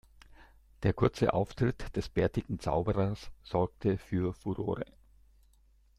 Der kurze Auftritt des bärtigen Zauberers sorgte für Furore.